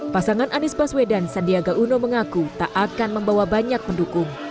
pasangan anies baswedan sandiaga uno mengaku tak akan membawa banyak pendukung